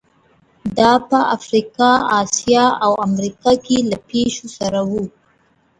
دا په افریقا، اسیا او امریکا کې له پېښو سره وو.